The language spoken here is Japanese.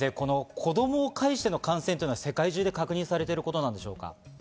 子供を介しての感染は世界中で確認されてることなんでしょうか？